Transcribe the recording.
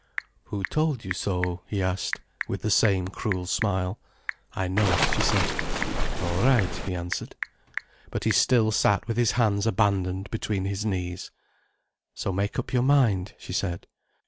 "Who told you so?" he asked, with the same cruel smile. "I know it," she said. "All right," he answered. But he still sat with his hands abandoned between his knees. "So make up your mind," she said.